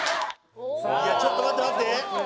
いやちょっと待って待って。